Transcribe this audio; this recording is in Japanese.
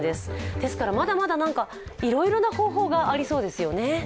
ですからまだまだいろいろな方法がありそうですよね。